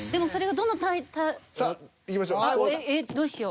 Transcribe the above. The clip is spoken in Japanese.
どうしよう。